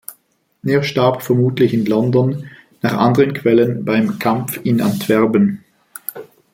Er starb vermutlich in London, nach anderen Quellen beim Kampf in Antwerpen.